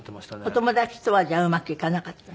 お友達とはじゃあうまくいかなかった？